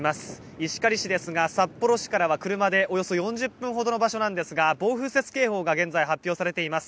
石狩市ですが、札幌市からは車でおよそ４０分ほどの場所なんですが暴風雪警報が現在、発表されています。